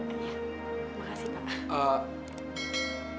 iya makasih pak